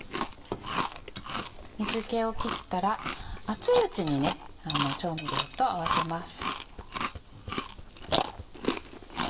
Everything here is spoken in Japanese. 水気を切ったら熱いうちに調味料と合わせます。